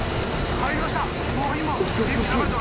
入りました。